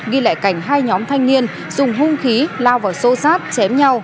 ghi lẽ cảnh hai nhóm thanh niên dùng hung khí lao vào xô rác chém nhau